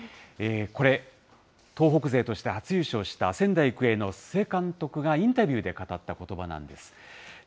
これ、東北勢として初優勝した仙台育英の須江監督がインタビューで語ったことばなんです。